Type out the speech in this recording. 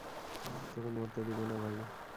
তোকে মরতে দিব না, ভাই।